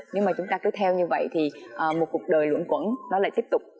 nếu mà chúng ta cứ theo như vậy thì một cuộc đời luận quẩn nó lại tiếp tục